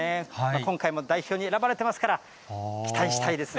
今回も代表に選ばれてますから、期待したいですね。